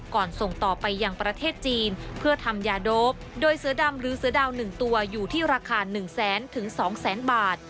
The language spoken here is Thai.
ส่งต่อไปยังประเทศจีนเพื่อทำยาโดปโดยเสือดำหรือเสือดาว๑ตัวอยู่ที่ราคา๑แสนถึงสองแสนบาท